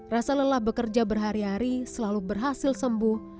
rasa lelah bekerja berhari hari selalu berhasil sembuh